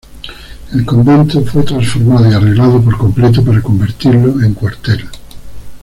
El convento, fue transformado y arreglado por completo para convertirlo en cuartel.